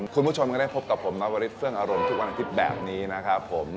คุณผู้ชมก็ได้พบกับผมนวริสเฟื่องอารมณ์ทุกวันอาทิตย์แบบนี้นะครับผม